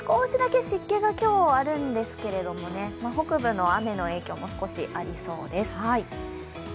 少しだけ湿気が今日あるんですけど、北部の雨の影響も少しありそうです。